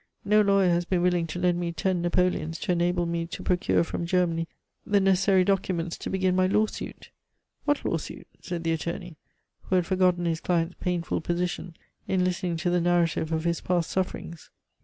No lawyer has been willing to lend me ten napoleons to enable me to procure from Germany the necessary documents to begin my lawsuit " "What lawsuit?" said the attorney, who had forgotten his client's painful position in listening to the narrative of his past sufferings.